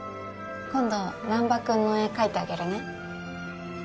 今度難破君の絵描いてあげるね。